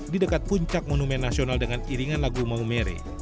di dekat puncak monumen nasional dengan iringan lagu maumere